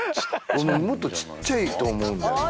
俺ももっとちっちゃいと思うですよねえ